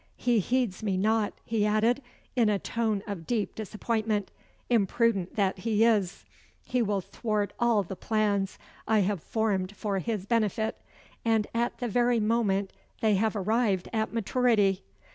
"He heeds me not," he added, in a tone of deep disappointment. "Imprudent that he is! he will thwart all the plans I have formed for his benefit, and at the very moment they have arrived at maturity.